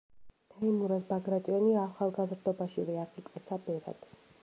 თეიმურაზ ბაგრატიონი ახალგაზრდობაშივე აღიკვეცა ბერად.